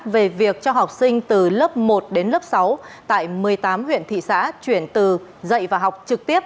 về việc cho học sinh từ lớp một đến lớp sáu tại một mươi tám huyện thị xã chuyển từ dạy và học trực tiếp